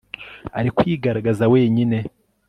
Ari kwigaragaza wenyine